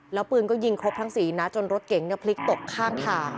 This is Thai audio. แล้วปืนก็ยิงครบทั้งสี่นัดจนรถเก๋งพลิกตกข้างทาง